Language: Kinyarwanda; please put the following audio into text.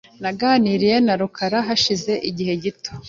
Naganiriye na rukara hashize igihe gito .